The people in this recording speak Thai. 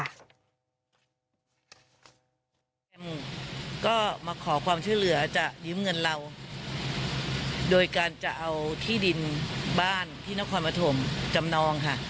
แมมก็มาขอความช่วยเหลือจะยืมเงินเราโดยการจะเอาที่ดินบ้านที่นครปฐมจำนองค่ะ